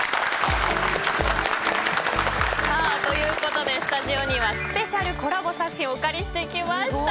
ということでスタジオにはスペシャルコラボ作品をお借りしてきました。